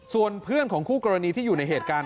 ส่วนเพื่อนของคู่กรณีที่อยู่ในเหตุการณ์